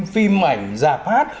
phim ảnh giả phát